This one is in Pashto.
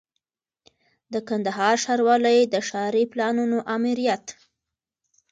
د کندهار ښاروالۍ د ښاري پلانونو آمریت